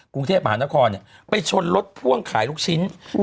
กรุงเทพฯอาณาคอร์เนี่ยไปชนรถพ่วงขายลูกชิ้นอืม